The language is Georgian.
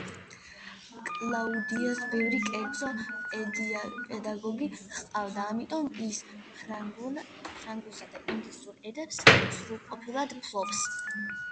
კლაუდიას ბევრი კერძო პედაგოგი ჰყავდა, ამიტომ, ის ფრანგულსა და ინგლისურ ენებს სრულყოფილად ფლობს.